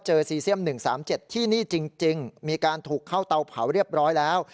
ซีเซียม๑๓๗ที่นี่จริงมีการถูกเข้าเตาเผาเรียบร้อยแล้ว